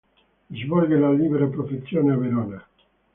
Svolge la libera professione a Verona.